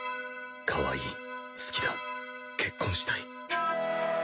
かわいい好きだ結婚したい。